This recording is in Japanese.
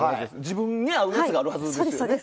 自分に合うやつがあるわけですよね。